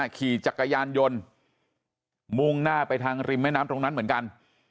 ขี่จักรยานยนต์มุ่งหน้าไปทางริมแม่น้ำตรงนั้นเหมือนกัน